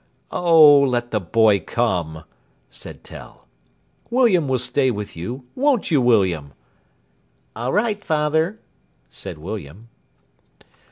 "Oh, let the boy come," said Tell. "William will stay with you, won't you, William?" "All right, father," said William.